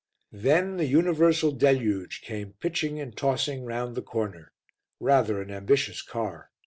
Then The Universal Deluge came pitching and tossing round the corner rather an ambitious car.